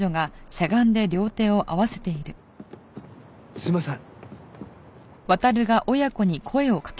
すいません。